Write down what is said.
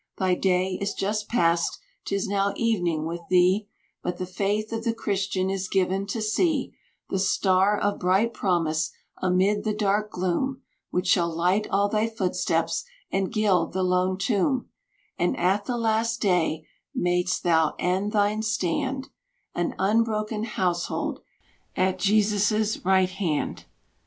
Thy day is just passed, 'tis now evening with thee, But the faith of the Christian is given to see The star of bright promise, amid the dark gloom Which shall light all thy footsteps and gild the lone tomb; And at the last day mayst thou and thine stand An unbroken household at Jesus' right hand.